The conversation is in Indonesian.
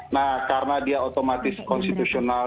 nah karena dia otomatis konstitusional